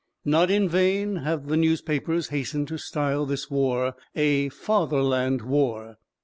Not in vain have the newspapers hastened to style this war a Fatherland War.